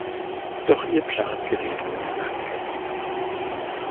Doch ihr Plan gerät ins Wanken.